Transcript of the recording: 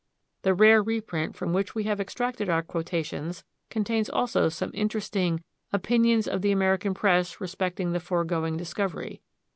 The rare reprint from which we have extracted our quotations contains also some interesting "Opinions of the American Press Respecting the Foregoing Discovery."